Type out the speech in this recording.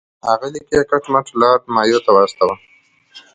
هغه لیک یې کټ مټ لارډ مایو ته واستاوه.